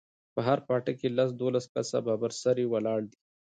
په هر پاټک کښې لس دولس کسه ببر سري ولاړ دي.